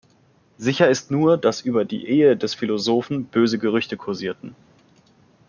Sicher ist nur, dass über die Ehe des Philosophen böse Gerüchte kursierten.